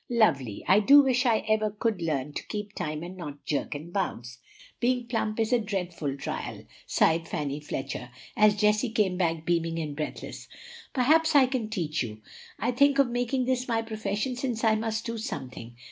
"Lovely! I do wish I ever could learn to keep time and not jerk and bounce. Being plump is a dreadful trial," sighed Fanny Fletcher, as Jessie came back beaming and breathless. "Perhaps I can teach you. I think of making this my profession since I must do something.